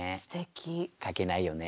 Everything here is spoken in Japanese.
書けないよね。